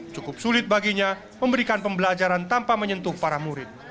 cukup sulit baginya memberikan pembelajaran tanpa menyentuh para murid